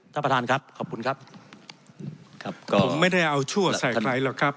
ท่านประธานครับขอบคุณครับครับก็ผมไม่ได้เอาชั่วใส่ใครหรอกครับ